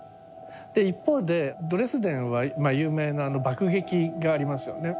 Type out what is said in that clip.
で一方でドレスデンは有名なあの爆撃がありますよね。